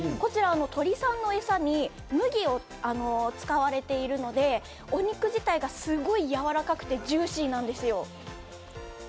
鶏さんのエサに麦が使われているので、お肉自体がすごくやわらかくてジューシーなんですよ。